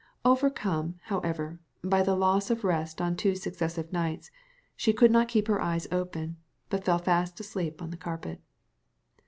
Overcome, however, by the loss of rest on two successive nights, she could not keep her eyes open, but fell fast asleep on the carpet.